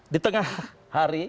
di tengah hari